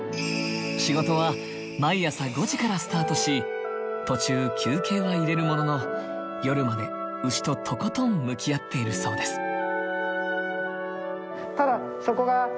仕事は毎朝５時からスタートし途中休憩は入れるものの夜まで牛ととことん向き合っているそうです。